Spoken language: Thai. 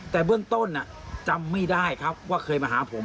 แต่เบื้องต้นจำไม่ได้ครับว่าเคยมาหาผม